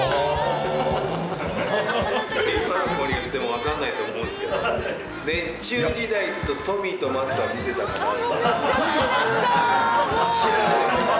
今の子に言っても分かんないと思うんですけど、熱中時代とトミーとマツは見てたんだけど。